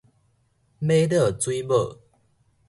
瑪瑙水母